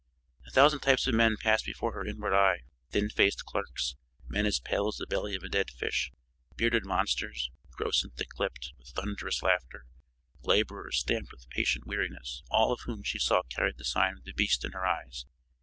A thousand types of men passed before her inward eye thin faced clerks, men as pale as the belly of a dead fish; bearded monsters, gross and thick lipped, with thunderous laughter; laborers, stamped with patient weariness and all whom she saw carried the sign of the beast in their eyes.